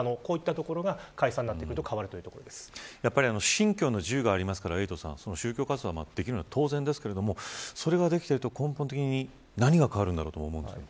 信教の自由がありますから宗教活動ができるのは当然ですがそれができていると、根本的に何が変わるんだろうと思いますが。